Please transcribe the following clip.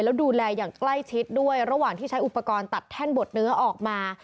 แล้วดูแลอย่างใกล้ชิดด้วยระหว่างที่ใช้อุปกรณ์ตัดแท่นบดเนื้อออกมา